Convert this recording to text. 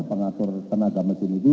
pengatur tenaga mesin itu